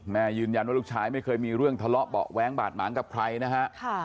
ยืนยันว่าลูกชายไม่เคยมีเรื่องทะเลาะเบาะแว้งบาดหมางกับใครนะฮะ